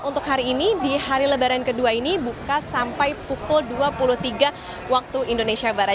untuk hari ini di hari lebaran kedua ini buka sampai pukul dua puluh tiga waktu indonesia barat